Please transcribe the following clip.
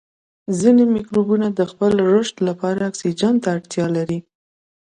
ځینې مکروبونه د خپل رشد لپاره اکسیجن ته اړتیا لري.